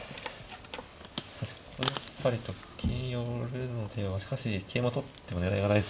しかしここでやっぱりと金寄るのではしかし桂馬取っても狙いがないですもんね。